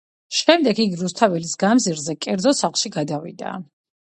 შემდეგ იგი რუსთაველის გამზირზე კერძო სახლში გადავიდა.